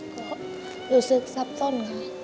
ก็รู้สึกซับส้นค่ะ